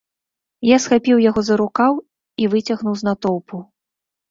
Я схапіў яго за рукаў і выцягнуў з натоўпу.